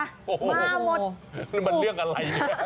นั่นมันเรื่องอะไรเนี่ย